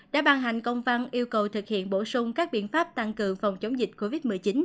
đã ban hành công văn yêu cầu thực hiện bổ sung các biện pháp tăng cường phòng chống dịch covid một mươi chín